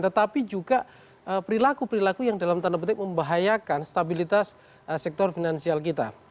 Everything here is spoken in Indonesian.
tetapi juga perilaku perilaku yang dalam tanda petik membahayakan stabilitas sektor finansial kita